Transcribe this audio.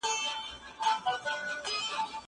زه به سبا سیر کوم!!